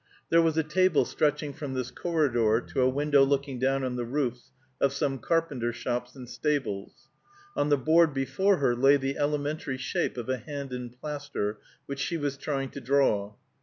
There was a table stretching from this corridor to a window looking down on the roofs of some carpenter shops and stables; on the board before her lay the elementary shape of a hand in plaster, which she was trying to draw.